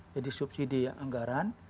jadi subsidi ya anggaran